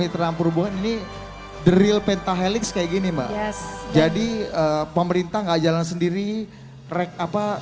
dalam perubahan ini drill pentahelix kayak gini mah jadi pemerintah enggak jalan sendiri rek apa